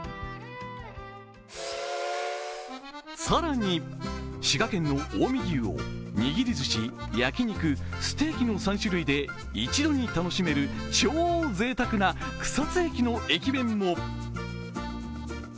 更に、滋賀県の近江牛をにぎりずし、焼き肉ステーキの３種類で一度に楽しめる超ぜいたくな草津駅の駅弁も。